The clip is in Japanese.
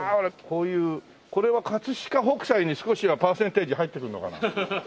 こういうこれは飾北斎に少しはパーセンテージ入ってくるのかな？